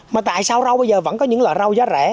mà tại sao rau bây giờ vẫn có những loại rau giá rẻ